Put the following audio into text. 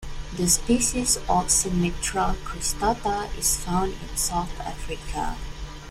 The species "Oxymitra cristata" is found in South Africa.